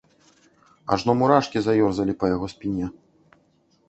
Ажно мурашкі заёрзалі па яго спіне.